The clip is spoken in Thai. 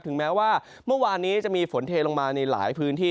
แม้ว่าเมื่อวานนี้จะมีฝนเทลงมาในหลายพื้นที่